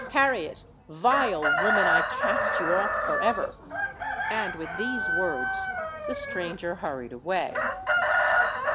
Harriet, vile woman, I cast you off for ever!_'—And, with these words, the stranger hurried away."